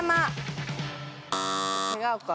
違うか。